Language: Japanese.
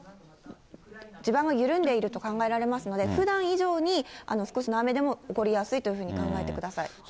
地盤が緩んでいると考えられますので、ふだん以上に、少しの雨でも起こりやすいというふうに考えてください。